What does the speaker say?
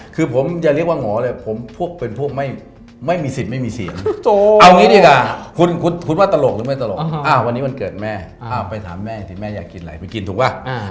คือผมจะเรียกว่างเหงาเลยผมพวกเป็นพวกไม่ไม่สิบไม่มีเสียงเอาอย่างนี้ดีกว่า